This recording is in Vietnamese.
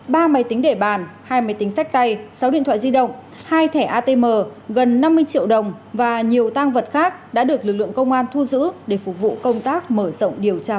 ba máy tính để bàn hai máy tính sách tay sáu điện thoại di động hai thẻ atm gần năm mươi triệu đồng và nhiều tăng vật khác đã được lực lượng công an thu giữ để phục vụ công tác mở rộng điều tra